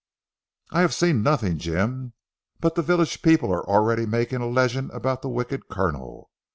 "I have seen nothing Jim. But the village people are already making a legend about the Wicked Colonel.